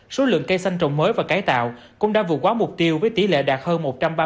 số lượng cây xanh trồng mới và cải tạo cũng đã vượt quá mục tiêu với tỷ lệ đạt hơn một trăm ba mươi